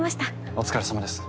お疲れさまです。